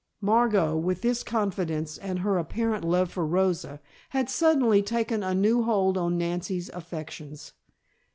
Margot, with this confidence and her apparent love for Rosa, had suddenly taken a new hold on Nancy's affections.